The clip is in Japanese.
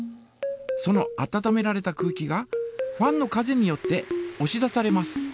その温められた空気がファンの風によっておし出されます。